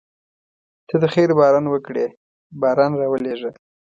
ته د خیر باران وکړې باران راولېږه.